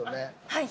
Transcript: はい。